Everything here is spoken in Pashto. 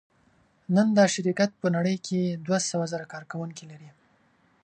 نن دا شرکت په نړۍ کې دوهسوهزره کارکوونکي لري.